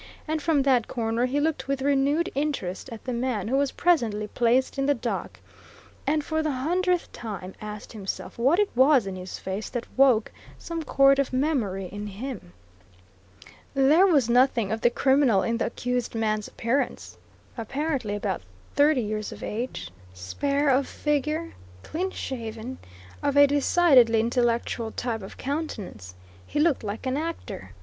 And from that corner he looked with renewed interest at the man who was presently placed in the dock, and for the hundredth time asked himself what it was in his face that woke some chord of memory in him. There was nothing of the criminal in the accused man's appearance. Apparently about thirty years of age, spare of figure, clean shaven, of a decidedly intellectual type of countenance, he looked like an actor.